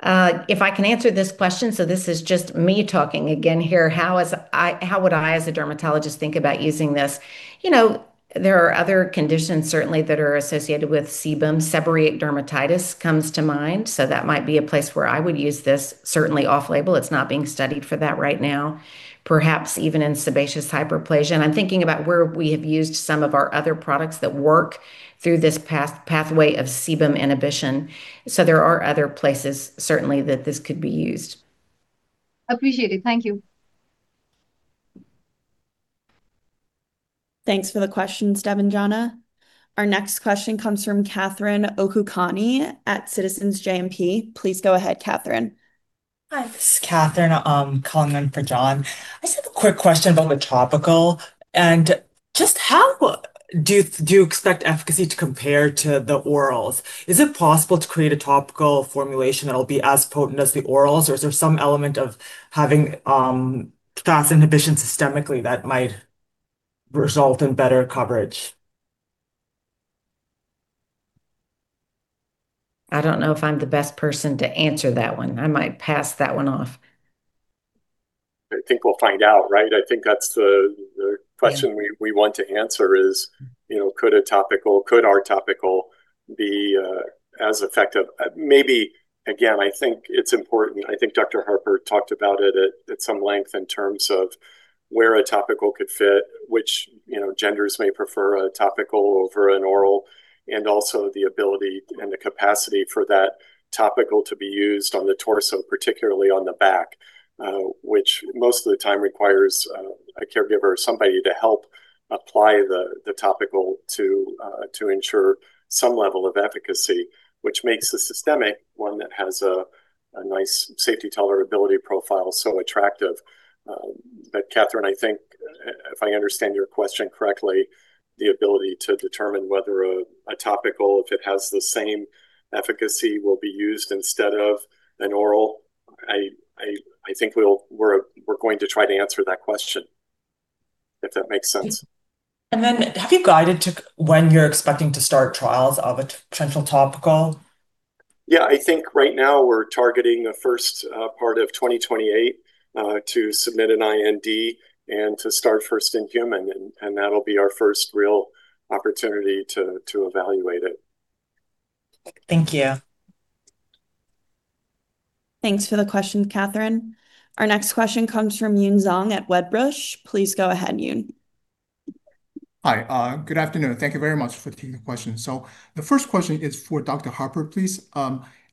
If I can answer this question, this is just me talking again here. How would I as a dermatologist think about using this? You know, there are other conditions certainly that are associated with sebum. Seborrheic dermatitis comes to mind, so that might be a place where I would use this certainly off label. It's not being studied for that right now. Perhaps even in sebaceous hyperplasia. And I'm thinking about where we have used some of our other products that work through this pathway of sebum inhibition. There are other places certainly that this could be used. Appreciate it. Thank you. Thanks for the question, Debanjana. Our next question comes from Catherine Okoukoni at Citizens JMP. Please go ahead, Catherine. Hi. This is Catherine calling in for John. I just have a quick question about the topical, and just how do you expect efficacy to compare to the orals? Is it possible to create a topical formulation that'll be as potent as the orals, or is there some element of having FASN inhibition systemically that might result in better coverage? I don't know if I'm the best person to answer that one. I might pass that one off. I think we'll find out, right? I think that's the question. Yeah we want to answer is, you know, could a topical, could our topical be as effective? Maybe, again, I think it's important, I think Julie Harper talked about it at some length in terms of where a topical could fit, which, you know, genders may prefer a topical over an oral, and also the ability and the capacity for that topical to be used on the torso, particularly on the back, which most of the time requires a caregiver, somebody to help apply the topical to ensure some level of efficacy, which makes the systemic one that has a nice safety tolerability profile so attractive. Catherine, I think, if I understand your question correctly, the ability to determine whether a topical, if it has the same efficacy, will be used instead of an oral. I think we're going to try to answer that question, if that makes sense. Have you guided to when you're expecting to start trials of a potential topical? Yeah. I think right now we're targeting the first part of 2028 to submit an IND and to start first in human, that'll be our first real opportunity to evaluate it. Thank you. Thanks for the question, Catherine. Our next question comes from Yun Zhong at Wedbush. Please go ahead, Yun. Hi. Good afternoon. Thank you very much for taking the question. The first question is for Julie Harper, please.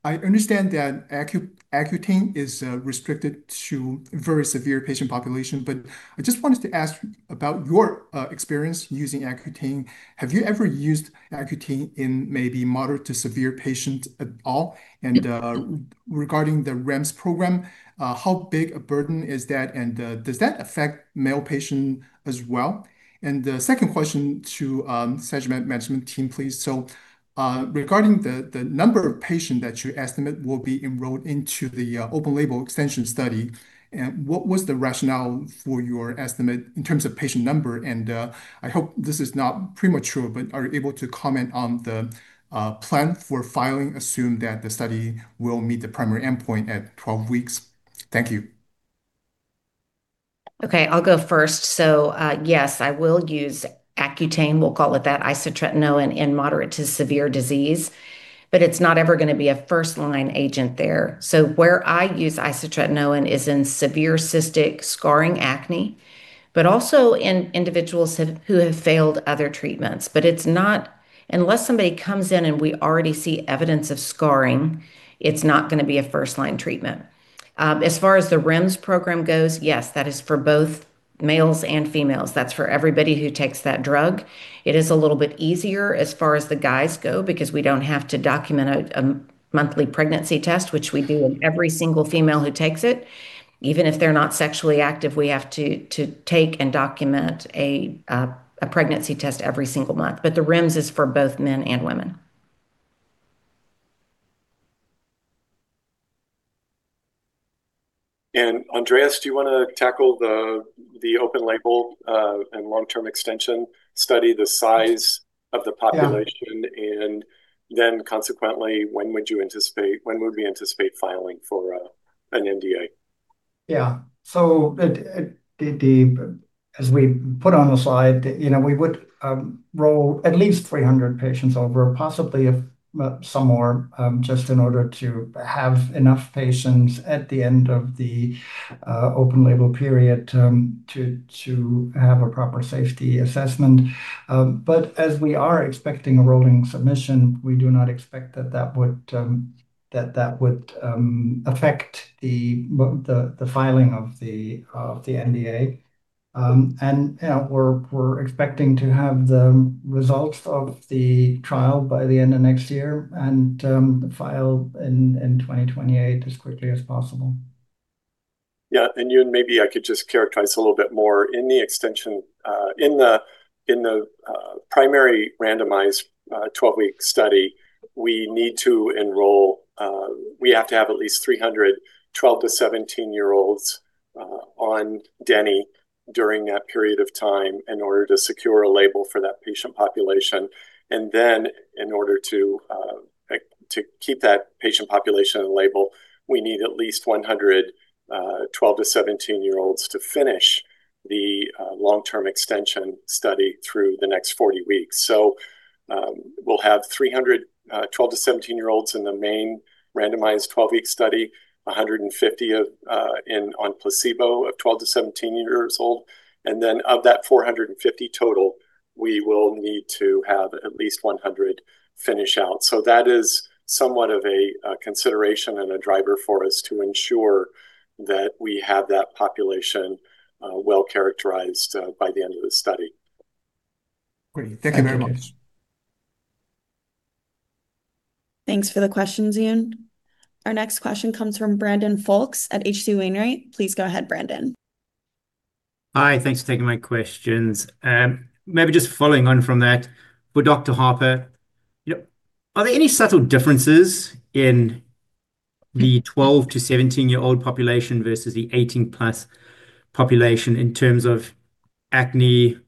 I understand that Accutane is restricted to very severe patient population, but I just wanted to ask about your experience using Accutane. Have you ever used Accutane in maybe moderate to severe patient at all? Regarding the REMS program, how big a burden is that, and does that affect male patient as well? The second question to Sagimet management team, please. Regarding the number of patient that you estimate will be enrolled into the open label extension study, and what was the rationale for your estimate in terms of patient number? I hope this is not premature, but are you able to comment on the plan for filing, assume that the study will meet the primary endpoint at 12 weeks? Thank you. Okay. I'll go first. Yes, I will use Accutane, we'll call it that, isotretinoin, in moderate to severe disease, but it's not ever going to be a first-line agent there. Where I use isotretinoin is in severe cystic scarring acne, but also in individuals who have failed other treatments. Unless somebody comes in and we already see evidence of scarring, it's not going to be a first-line treatment. As far as the REMS program goes, yes, that is for both males and females. That's for everybody who takes that drug. It is a little bit easier as far as the guys go because we don't have to document a monthly pregnancy test, which we do with every single female who takes it. Even if they're not sexually active, we have to take and document a pregnancy test every single month. The REMS is for both men and women Andreas, do you wanna tackle the open label and long-term extension study, the size of the population? Yeah. Consequently, when would we anticipate filing for an NDA? As we put on the slide, you know, we would roll at least 300 patients over, possibly if some more, just in order to have enough patients at the end of the open label period, to have a proper safety assessment. As we are expecting a rolling submission, we do not expect that that would that would affect the filing of the NDA. You know, we're expecting to have the results of the trial by the end of 2025, and file in 2028 as quickly as possible. Yeah. Yun, maybe I could just characterize a little bit more. In the extension, in the, in the primary randomized 12-week study, we need to enroll, we have to have at least 300 12 to 17-year-olds on denifanstat during that period of time in order to secure a label for that patient population. In order to, like, to keep that patient population label, we need at least 100 12 to 17-year-olds to finish the long-term extension study through the next 40 weeks. We'll have 300 12 to 17-year-olds in the main randomized 12-week study, 150 of, in, on placebo of 12 to 17-years-old, and then of that 450 total, we will need to have at least 100 finish out. That is somewhat of a consideration and a driver for us to ensure that we have that population, well-characterized, by the end of the study. Great. Thank you very much. Thanks for the questions, Yun. Our next question comes from Brandon Folkes at H.C. Wainwright. Please go ahead, Brandon. Hi. Thanks for taking my questions. Maybe just following on from that, for Julie Harper. Yep... are there any subtle differences in the 12 to 17-year-old population versus the 18 plus population in terms of acne,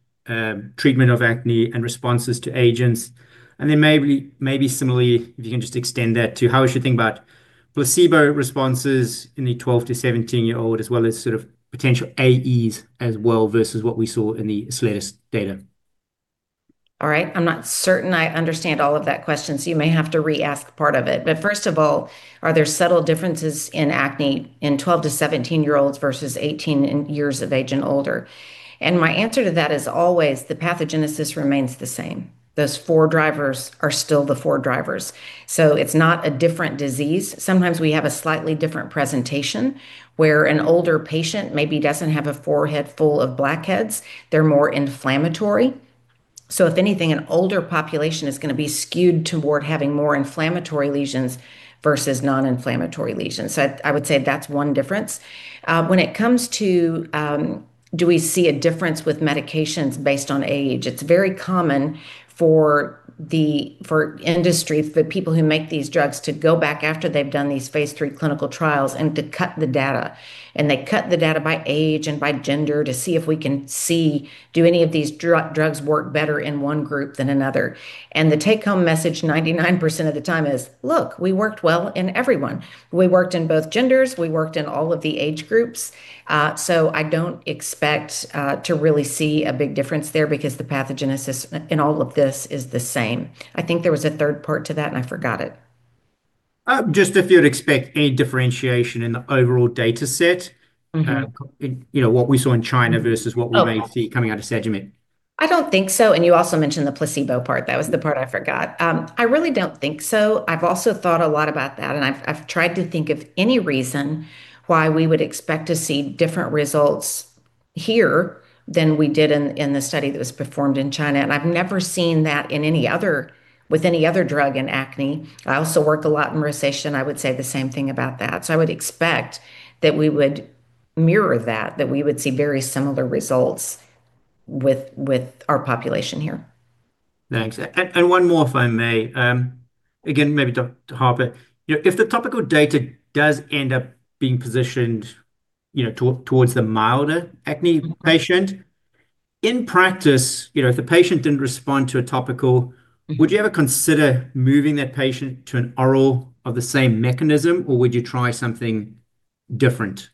treatment of acne and responses to agents? Similarly, if you can just extend that to how we should think about placebo responses in the 12 to 17-year-old, as well as sort of potential AEs as well, versus what we saw in the Ascletis data. All right. I'm not certain I understand all of that question, so you may have to re-ask part of it. First of all, are there subtle differences in acne in 12 to 17-year-olds versus 18 and years of age and older? My answer to that is always the pathogenesis remains the same. Those 4 drivers are still the four drivers. It's not a different disease. Sometimes we have a slightly different presentation, where an older patient maybe doesn't have a forehead full of blackheads. They're more inflammatory. If anything, an older population is gonna be skewed toward having more inflammatory lesions versus non-inflammatory lesions. I would say that's one difference. When it comes to, do we see a difference with medications based on age, it's very common for the, for industry, for people who make these drugs to go back after they've done these phase III clinical trials and to cut the data. They cut the data by age and by gender to see if we can see, do any of these drugs work better in one group than another? The take home message 99% of the time is, "Look, we worked well in everyone. We worked in both genders. We worked in all of the age groups." So I don't expect to really see a big difference there because the pathogenesis in all of this is the same. I think there was a third part to that, and I forgot it. Just if you'd expect any differentiation in the overall data set? Mm-hmm you know, what we saw in China versus what we. Oh, gotcha.... may see coming out of Sagimet. I don't think so. You also mentioned the placebo part. That was the part I forgot. I really don't think so. I've also thought a lot about that, and I've tried to think of any reason why we would expect to see different results here than we did in the study that was performed in China, and I've never seen that in any other drug in acne. I also work a lot in rosacea, and I would say the same thing about that. I would expect that we would mirror that we would see very similar results with our population here. Thanks. One more, if I may. Again, maybe Julie Harper. You know, if the topical data does end up being positioned, you know, towards the milder acne patient, in practice, you know, if the patient didn't respond to a topical. Mm-hmm Would you ever consider moving that patient to an oral of the same mechanism, or would you try something different?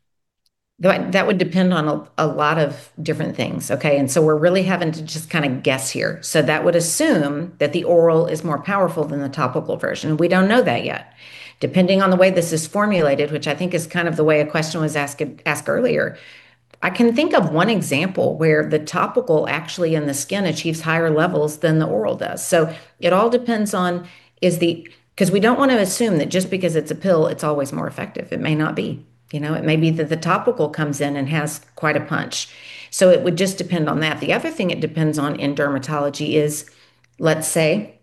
That would depend on a lot of different things. Okay. We're really having to just kinda guess here. That would assume that the oral is more powerful than the topical version. We don't know that yet. Depending on the way this is formulated, which I think is kind of the way a question was asked earlier, I can think of one example where the topical actually in the skin achieves higher levels than the oral does. It all depends. We don't wanna assume that just because it's a pill, it's always more effective. It may not be. You know? It may be that the topical comes in and has quite a punch. It would just depend on that. The other thing it depends on in dermatology is, let's say.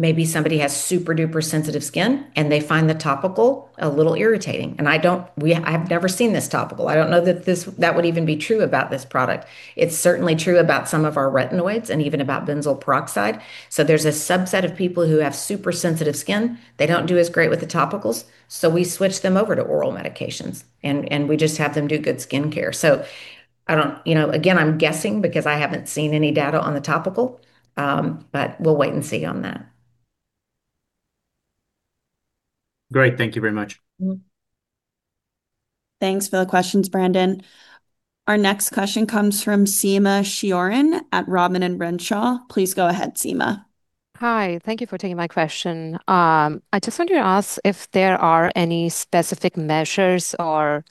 Maybe somebody has super-duper sensitive skin and they find the topical a little irritating, and I've never seen this topical. I don't know that that would even be true about this product. It's certainly true about some of our retinoids and even about benzoyl peroxide. There's a subset of people who have super sensitive skin, they don't do as great with the topicals, so we switch them over to oral medications, and we just have them do good skincare. I don't, you know, again, I'm guessing because I haven't seen any data on the topical, but we'll wait and see on that. Great. Thank you very much. Mm-hmm. Thanks for the questions, Brandon. Our next question comes from Seema Sheoran at Rodman & Renshaw. Please go ahead, Seema. Hi. Thank you for taking my question. I just want to ask if there are any specific measures or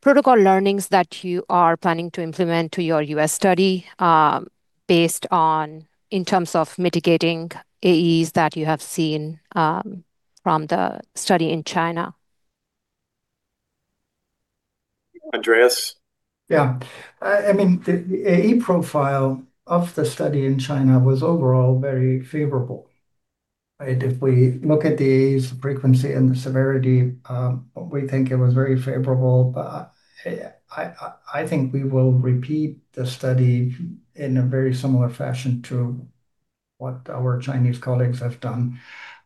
protocol learnings that you are planning to implement to your U.S. study, based on, in terms of mitigating AEs that you have seen, from the study in China. Andreas? Yeah. I mean, the AE profile of the study in China was overall very favorable, right? If we look at the frequency and the severity, we think it was very favorable. I think we will repeat the study in a very similar fashion to what our Chinese colleagues have done.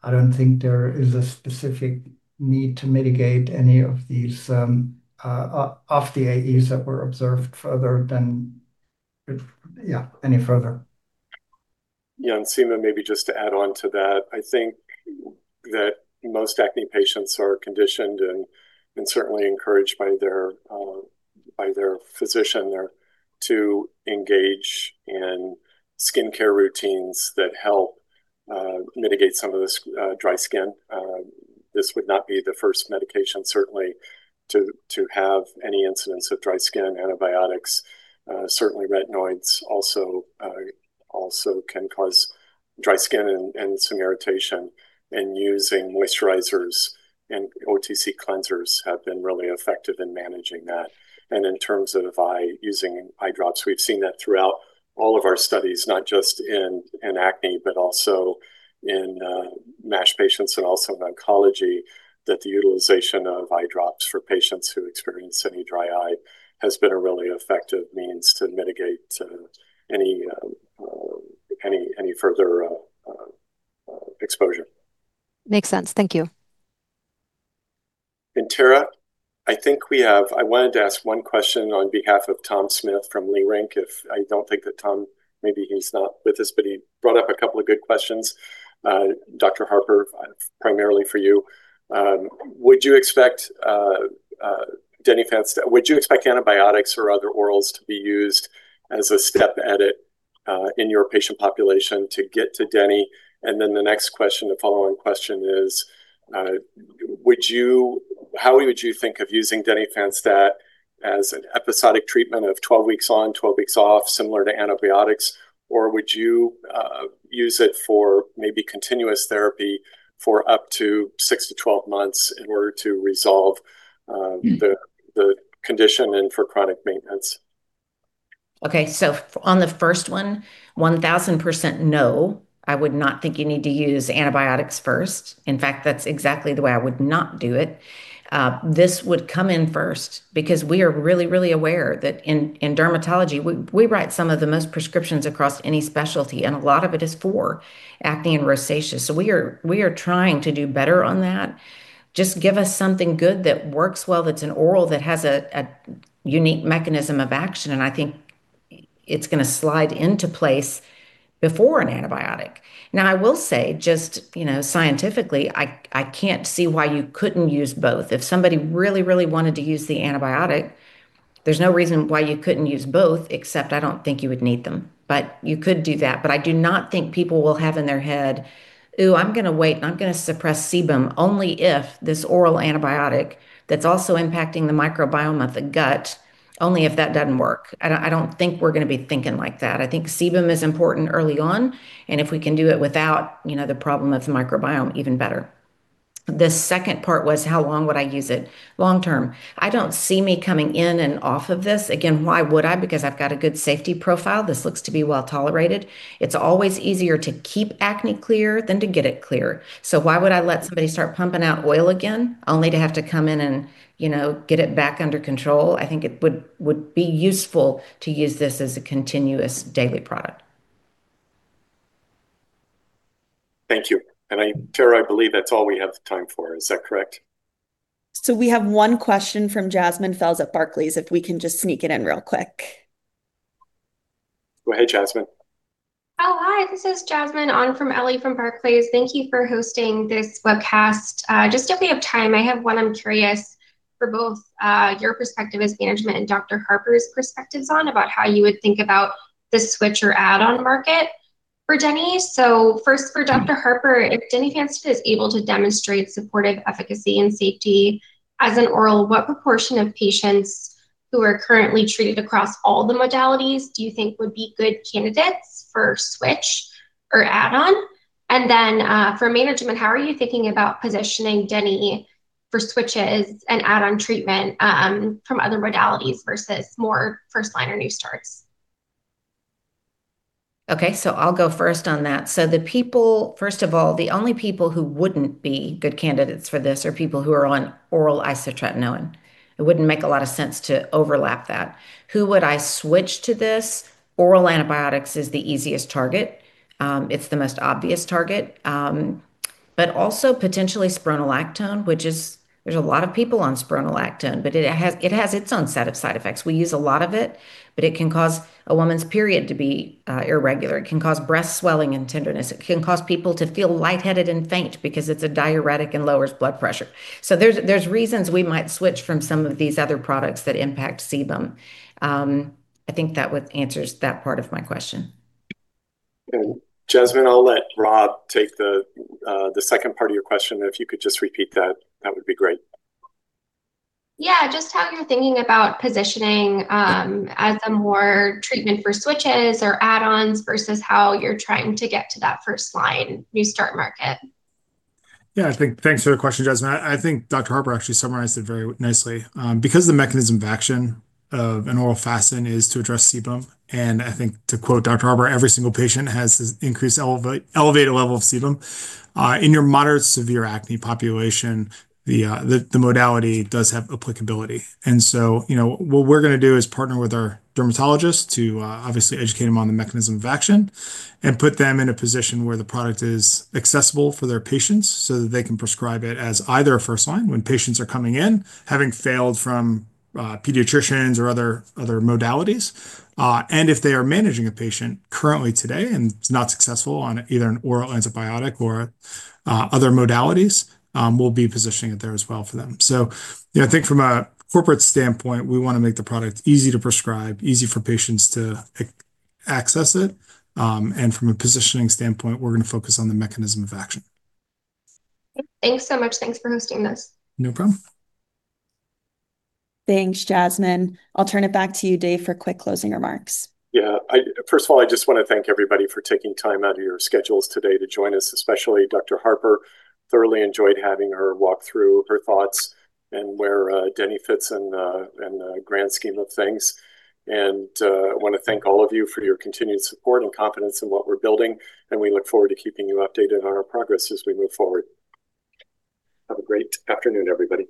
I don't think there is a specific need to mitigate any of these of the AEs that were observed further than any further. Yeah. Seema, maybe just to add on to that, I think that most acne patients are conditioned and certainly encouraged by their physician or to engage in skincare routines that help mitigate some of the dry skin. This would not be the first medication certainly to have any incidence of dry skin. Antibiotics, certainly retinoids also can cause dry skin and some irritation, and using moisturizers and OTC cleansers have been really effective in managing that. In terms of eye, using eye drops, we've seen that throughout all of our studies, not just in acne, but also in MASH patients and also in oncology, that the utilization of eye drops for patients who experience any dry eye has been a really effective means to mitigate any further exposure. Makes sense. Thank you. Tara, I wanted to ask one question on behalf of Tom Smith from Leerink Partners. I don't think that Tom, maybe he's not with us, but he brought up a couple of good questions, Dr. Harper, primarily for you. Would you expect antibiotics or other orals to be used as a step edit in your patient population to get to deni? The next question, the follow-on question is, how would you think of using denifanstat as an episodic treatment of 12 weeks on, 12 weeks off, similar to antibiotics? Would you use it for maybe continuous therapy for up to 6 to 12 months in order to resolve? Mm-hmm... the condition and for chronic maintenance? Okay. On the first one, 1,000% no. I would not think you need to use antibiotics first. In fact, that's exactly the way I would not do it. This would come in first because we are really, really aware that in dermatology, we write some of the most prescriptions across any specialty, and a lot of it is for acne and rosacea. We are trying to do better on that. Just give us something good that works well, that's an oral, that has a unique mechanism of action, and I think it's gonna slide into place before an antibiotic. I will say, just, you know, scientifically, I can't see why you couldn't use both. If somebody really, really wanted to use the antibiotic, there's no reason why you couldn't use both, except I don't think you would need them. You could do that. I do not think people will have in their head, "Ooh, I'm gonna wait and I'm gonna suppress sebum only if this oral antibiotic that's also impacting the microbiome of the gut, only if that doesn't work." I don't think we're gonna be thinking like that. I think sebum is important early on, and if we can do it without, you know, the problem of microbiome, even better. The second part was, how long would I use it? Long term. I don't see me coming in and off of this. Again, why would I? I've got a good safety profile. This looks to be well-tolerated. It's always easier to keep acne clear than to get it clear. Why would I let somebody start pumping out oil again, only to have to come in and, you know, get it back under control? I think it would be useful to use this as a continuous daily product. Thank you. Tara, I believe that's all we have time for. Is that correct? We have one question from Jasmine Fels at Barclays, if we can just sneak it in real quick. Oh, hey, Jasmine. Hi. This is Jasmine Fels from Ellie Merle from Barclays. Thank you for hosting this webcast. Just if we have time, I have one I'm curious for both your perspective as management and Dr. Harper's perspectives on, about how you would think about the switch or add-on market for Denny. First for Dr. Harper, if denifanstat is able to demonstrate supportive efficacy and safety as an oral, what proportion of patients who are currently treated across all the modalities do you think would be good candidates for switch or add-on? For management, how are you thinking about positioning Denny for switches and add-on treatment from other modalities versus more first-line or new starts? I'll go first on that. First of all, the only people who wouldn't be good candidates for this are people who are on oral isotretinoin. It wouldn't make a lot of sense to overlap that. Who would I switch to this? Oral antibiotics is the easiest target, it's the most obvious target. Also potentially spironolactone, which is, there's a lot of people on spironolactone, but it has its own set of side effects. We use a lot of it, but it can cause a woman's period to be irregular. It can cause breast swelling and tenderness. It can cause people to feel lightheaded and faint because it's a diuretic and lowers blood pressure. There's, there's reasons we might switch from some of these other products that impact sebum. answers that part of my question. Jasmine, I'll let Rob take the second part of your question. If you could just repeat that would be great. Yeah. Just how you're thinking about positioning, as a more treatment for switches or add-ons versus how you're trying to get to that first line new start market? Yeah, thanks for the question, Jasmine. I think Julie Harper actually summarized it very nicely. The mechanism of action of an oral FASN is to address sebum, and I think to quote Julie Harper, every single patient has this increased elevated level of sebum in your moderate severe acne population, the modality does have applicability. You know, what we're gonna do is partner with our dermatologists to obviously educate them on the mechanism of action and put them in a position where the product is accessible for their patients so that they can prescribe it as either a first line when patients are coming in, having failed from pediatricians or other modalities. If they are managing a patient currently today and it's not successful on either an oral antibiotic or other modalities, we'll be positioning it there as well for them. You know, I think from a corporate standpoint, we wanna make the product easy to prescribe, easy for patients to access it. From a positioning standpoint, we're gonna focus on the mechanism of action. Thanks so much. Thanks for hosting this. No problem. Thanks, Jasmine. I'll turn it back to you, Dave, for quick closing remarks. First of all, I just wanna thank everybody for taking time out of your schedules today to join us, especially Julie Harper. Thoroughly enjoyed having her walk through her thoughts and where denifanstat fits in in the grand scheme of things. I wanna thank all of you for your continued support and confidence in what we're building, and we look forward to keeping you updated on our progress as we move forward. Have a great afternoon, everybody.